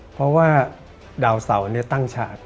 เพราะว่าดาวเสาร์ตั้งฉาก